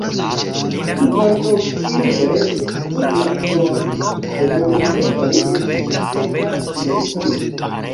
Tiu parto kiu restis sub la Krono de Bohemio fariĝis Ĉeĥa Silezio.